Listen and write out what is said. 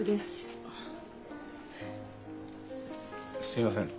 すみません。